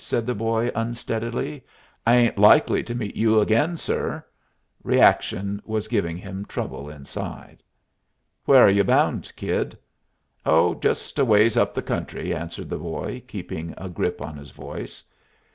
said the boy, unsteadily. "I ain't likely to meet you again, sir." Reaction was giving him trouble inside. "Where are you bound, kid?" "Oh, just a ways up the country," answered the boy, keeping a grip on his voice.